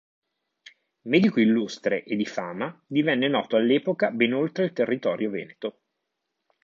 Medico illustre e di fama divenne noto all'epoca ben oltre il territorio veneto.